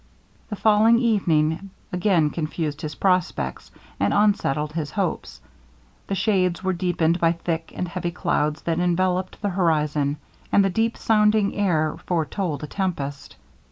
The falling evening again confused his prospects, and unsettled his hopes. The shades were deepened by thick and heavy clouds that enveloped the horizon, and the deep sounding air foretold a tempest.